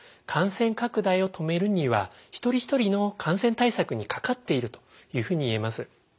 感染拡大を止めるには一人一人の感染対策にかかっているというふうに言えます。